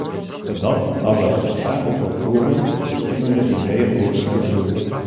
Boppedat hawwe ferskate kultueren ferskillende ideeën oer sensuer.